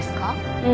うん。